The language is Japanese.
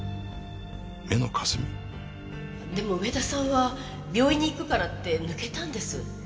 でも植田さんは病院に行くからって抜けたんです。